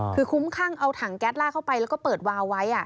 คือคุ้มข้างเอาถังแก๊สลากเข้าไปแล้วก็เปิดวาวไว้